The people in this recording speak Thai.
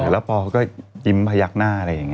แล้วปอก็ยิ้มพยักหน้า